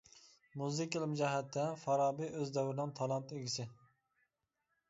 مۇزىكا ئىلمى جەھەتتە، فارابى ئۆز دەۋرىنىڭ تالانت ئىگىسى.